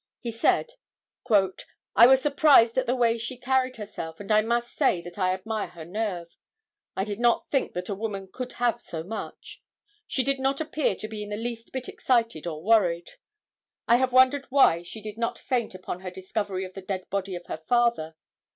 He said:—"I was surprised at the way she carried herself and I must say that I admire her nerve. I did not think that a woman could have so much. She did not appear to be in the least bit excited or worried. I have wondered why she did not faint upon her discovery of the dead body of her father.